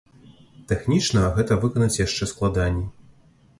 Тэхнічна гэта выканаць яшчэ складаней.